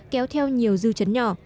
kéo theo nhiều dư trấn nhỏ